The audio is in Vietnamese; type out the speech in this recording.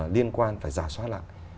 liên quan phải giả soát lại